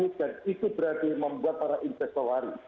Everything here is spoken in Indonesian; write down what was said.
dan itu berarti membuat para investowari